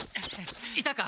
いたか？